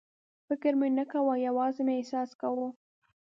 فکر مې نه کاوه، یوازې مې احساس کاوه.